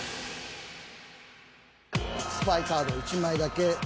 スパイカードを１枚だけ。